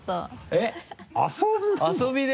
えっ遊びで？